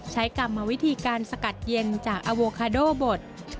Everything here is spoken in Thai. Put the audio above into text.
กรรมวิธีการสกัดเย็นจากอโวคาโดบด